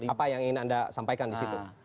apa yang ingin anda sampaikan disitu